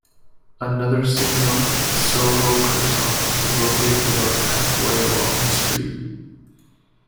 Another cinema, the Soho Curzon, is located about halfway along the street.